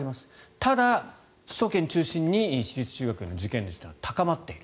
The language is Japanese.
ただ、首都圏中心に私立中学への受験熱が高まっている。